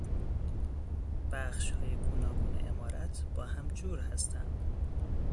بخشهای گوناگون عمارت با هم جور هستند.